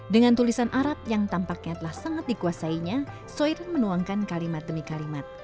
dengan tulisan arab yang tampaknya telah sangat dikuasainya soir menuangkan kalimat demi kalimat